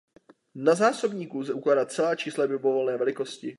Na zásobník lze ukládat celá čísla libovolné velikosti.